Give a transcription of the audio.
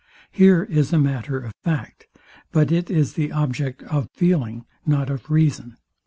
Here is a matter of fact; but it is the object of feeling, not of reason.